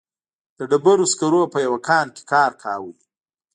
د ډبرو سکرو په یوه کان کې کار کاوه.